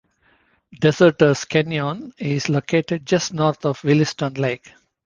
Deserters Canyon is located just north of Williston Lake.